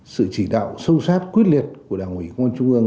sự chỉ đạo sâu sát quyết liệt của đảng ủy quân trung ương